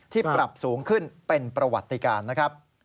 ปรับสูงขึ้นเป็นประวัติการนะครับ